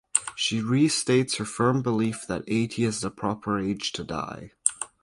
She restates her firm belief that eighty is the proper age to die.